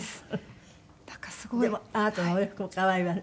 でもあなたのお洋服も可愛いわね。